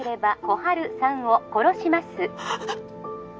☎心春さんを殺します